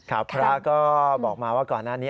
พระก็บอกมาว่าก่อนหน้านี้